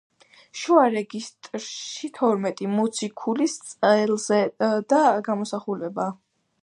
შუა რეგისტრში თორმეტი მოციქულის წელზედა გამოსახულებაა.